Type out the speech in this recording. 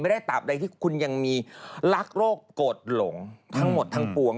ไม่ได้ตามใดคุณยังมีลักโรคกดหลงทั้งหมดทั้งป่วง